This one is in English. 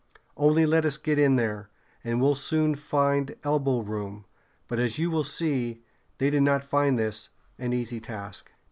Only let us get in there, and we'll soon find elbow room!" But, as you will see, they did not find this an easy task.